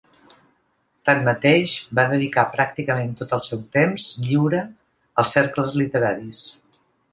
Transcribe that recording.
Tanmateix, va dedicar pràcticament tot el seu temps lliure als cercles literaris.